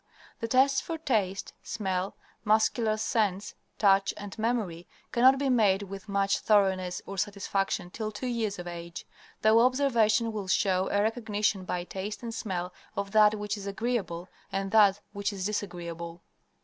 The tests for taste, smell, muscular sense, touch, and memory cannot be made with much thoroughness or satisfaction till two years of age, though observation will show a recognition by taste and smell of that which is agreeable and that which is disagreeable.